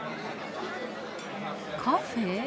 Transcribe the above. カフェ？